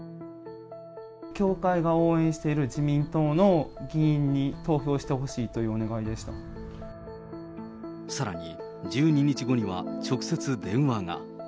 教会が応援している自民党の議員に投票してほしいというお願さらに１２日後には、直接電話が。